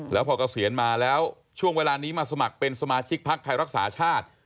แล้วพอเกษียณมาแล้วช่วงเวลานี้มาสมัครเป็นสมาชิกพักไทยรักษาชาติ